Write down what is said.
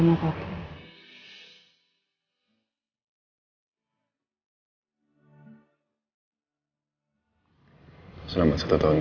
tapi aku yakin banget ini tuh randy